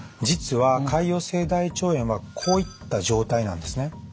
実は潰瘍性大腸炎はこういった状態なんですね。